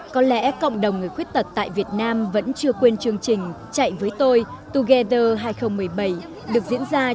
có lẽ cộng đồng người khuyết tật tại việt nam vẫn chưa quên chương trình chạy với tôi together hai nghìn một mươi bảy được diễn ra trong những ngày đầu tháng một mươi hai vừa qua tại hà nội